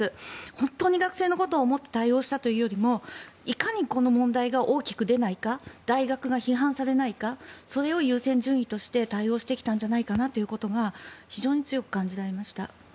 本当に学生のことを思って対応したというよりもいかにこの問題が大きく出ないか大学が批判されないかそれを優先順位として対応してきたんじゃないかなというのが非常に強く感じられました。